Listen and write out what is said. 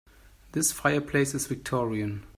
This fireplace is victorian.